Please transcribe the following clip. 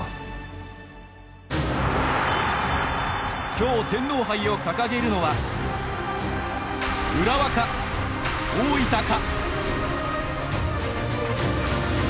今日、天皇杯を掲げるのは浦和か、大分か。